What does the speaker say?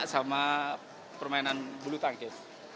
sama permainan bulu tangkis